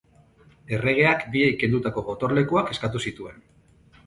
Erregeak biei kendutako gotorlekuak eskatu zituen.